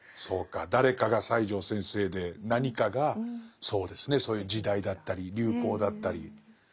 そうか「誰か」が西條先生で「何か」がそうですねそういう時代だったり流行だったり。